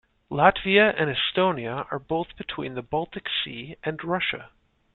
Latvia and Estonia are both between the Baltic Sea and Russia.